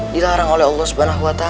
dilarang oleh allah swt